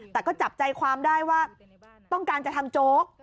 แต่ก็จับใจความได้ว่าต้องการจะทำโจ๊ก